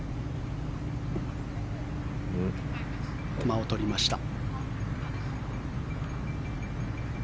間を取りました。